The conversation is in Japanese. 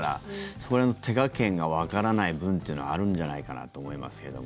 それの手加減がわからない分っていうのはあるんじゃないかなと思いますけども。